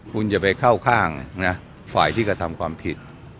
คุณจะไปเข้าข้างฝ่ายที่กระทำความผิด